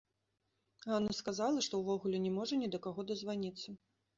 Ганна сказала, што ўвогуле не можа ні да каго дазваніцца.